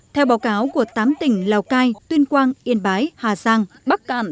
theo báo cáo của tám tỉnh lào cai tuyên quang yên bái hà giang bắc cạn